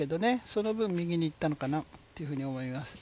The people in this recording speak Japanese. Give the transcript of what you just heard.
その分、右にいったのかなと思います。